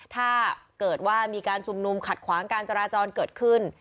ถ้าเกิดว่ามีการชุมนุมขัดขวางการจราจรเกิดขึ้น